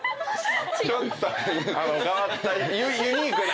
ちょっと変わったユニークな。